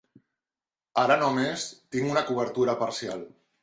Ara només tinc una cobertura parcial.